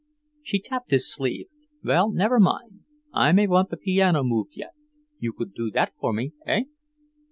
She tapped his sleeve. "Well, never mind. I may want the piano moved yet; you could do that for me, eh?"